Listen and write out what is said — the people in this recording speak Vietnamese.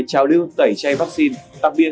trào lưu tẩy chay vắc xin đặc biệt